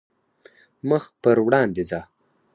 مخ پر وړاندې ځه .